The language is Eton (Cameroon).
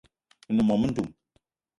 Me ne mô-mendum